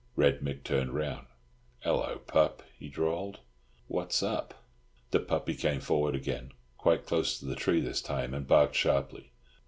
Red Mick turned round; "'Ello, pup," he drawled, "what's up?" The puppy came forward again, quite close to the tree this time, and barked sharply.